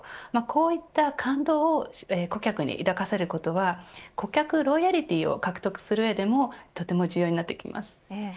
こういった感動を顧客に抱かせることは顧客ロイヤリティを獲得する上でもとても重要になってきます。